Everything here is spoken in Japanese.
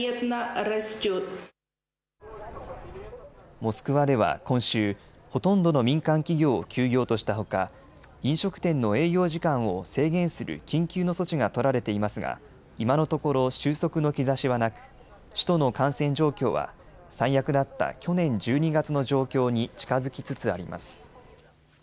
モスクワでは今週、ほとんどの民間企業を休業としたほか飲食店の営業時間を制限する緊急の措置が取られていますが今のところ収束の兆しはなく、首都の感染状況は最悪だった去年１２月の状況に近づきつつあります。